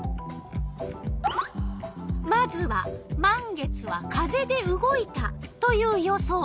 まずは「満月は風で動いた」という予想。